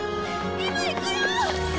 今行くよ！